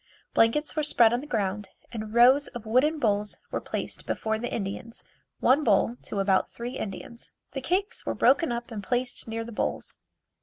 Blankets were spread on the ground and rows of wooden bowls were placed before the Indians, one bowl to about three Indians. The cakes were broken up and placed near the bowls.